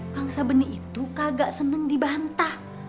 bang sabeni itu kagak seneng dibantah